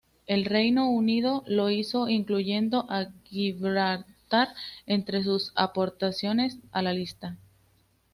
El Reino Unido lo hizo, incluyendo a Gibraltar entre sus aportaciones a la lista.